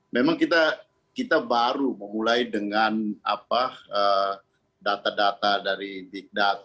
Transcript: memang kita baru memulai dengan data data dari big data